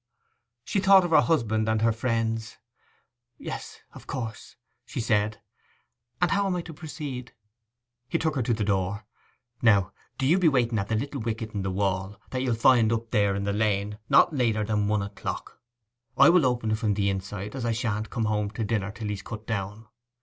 She thought of her husband and her friends. 'Yes, of course,' she said; 'and how am I to proceed?' He took her to the door. 'Now, do you be waiting at the little wicket in the wall, that you'll find up there in the lane, not later than one o'clock. I will open it from the inside, as I shan't come home to dinner till he's cut down.